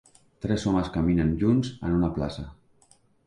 Tres homes caminen junts en una plaça